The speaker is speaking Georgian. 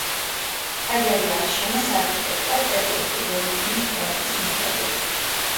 ტაძარი ააშენეს არქიტექტორ პეტრე სტუდენიკინის პროექტის მიხედვით.